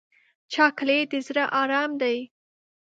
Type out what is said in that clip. چاکلېټ د زړه ارام دی.